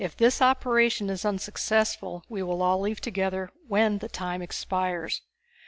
If this operation is unsuccessful we will all leave together when the time expires.